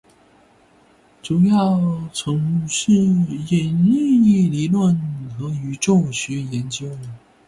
主要从事引力理论和宇宙学研究。